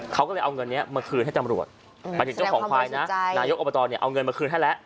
เค้าก็ในเอาเงินนี้มาคืนให้จำรวจก็คือบัตรนี้เอาเงินมาคืนให้และ